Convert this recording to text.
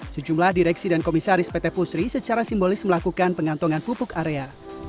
sejumlah direksi dan komisaris pt pusri secara simbolis melakukan pengantongan pupuk area